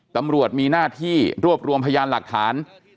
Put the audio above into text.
ตำรวจมีหน้าที่รวบรวมพยานหลักฐาน